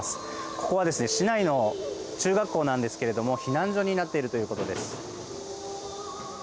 ここは市内の中学校なんですけれども避難所になっているということです。